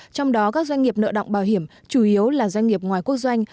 trong đó các doanh nghiệp nợ động bảo hiểm chủ yếu là doanh nghiệp ngoài quốc doanh